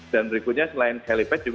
dan berikutnya selain helipad